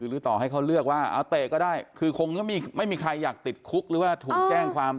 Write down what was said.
หรือต่อให้เขาเลือกว่าเอาเตะก็ได้คือคงไม่มีใครอยากติดคุกหรือว่าถูกแจ้งความ